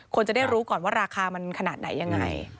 จะได้รู้ก่อนว่าราคามันขนาดไหนยังไง